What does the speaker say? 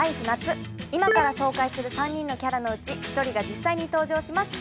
今から紹介する３人のキャラのうち１人が実際に登場します。